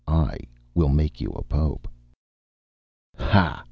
I will make you Pope " "Ha!"